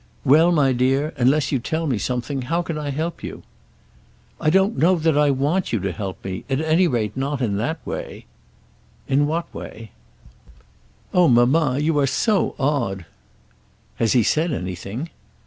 "Well, my dear, unless you tell me something how can I help you?" "I don't know that I want you to help me, at any rate not in that way." "In what way?" "Oh, mamma, you are so odd." "Has he said anything?"